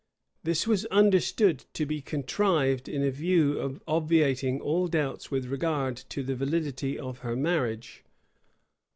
This was understood to be contrived in a view of obviating all doubts with regard to the validity of her marriage.